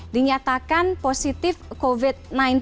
dinyatakan positif covid sembilan belas